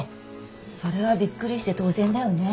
それはびっくりして当然だよね。